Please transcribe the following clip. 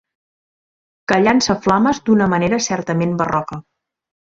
Que llança flames d'una manera certament barroca.